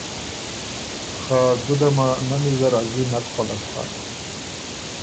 خه ګُده مه نمی زر ا زلی نک خولک هۀ“